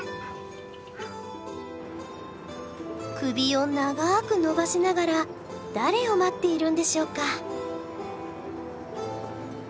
首を長く伸ばしながら誰を待っているんでしょうか？